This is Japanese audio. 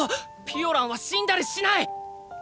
ピオランは死んだりしない！